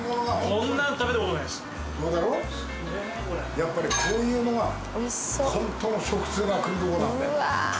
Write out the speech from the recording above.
やっぱりこういうのが本当の食通が来るとこなんだよ。